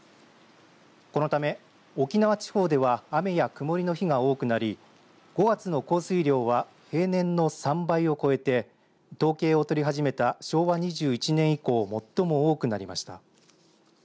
このため、沖縄地方では雨や曇りの日が多くなり５月の降水量は平年の３倍を超えて統計を取り始めた昭和２１年以降最も多くなりました。